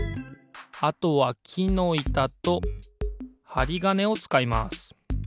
あとはきのいたとはりがねをつかいます。